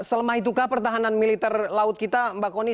selemah itu kah pertahanan militer laut kita mbak kony